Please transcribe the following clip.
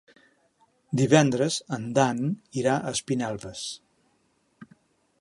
Divendres en Dan irà a Espinelves.